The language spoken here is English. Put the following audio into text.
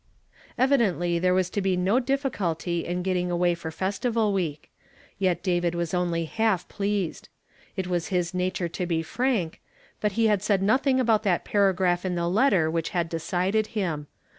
Evidently there was to be no difficulty in guv ting away for Festival Week ; yet David was only half pleased. It Avas his nature to be frank, but he had said notliing about that paragraph in the letter which had decided him.